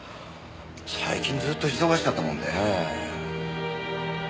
最近ずっと忙しかったもんでねぇ。